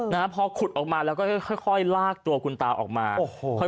นะฮะพอขุดออกมาแล้วก็ค่อยค่อยลากตัวคุณตาออกมาโอ้โห